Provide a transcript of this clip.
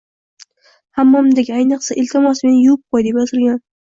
• Hammomdagi oynaga “Iltimos, meni yuvib qo‘y!”, deb yozilgan.